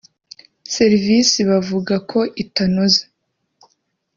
serivisi bavuga ko itanoze